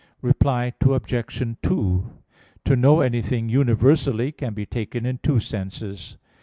Reply Obj. 2: To know anything universally can be taken in two senses.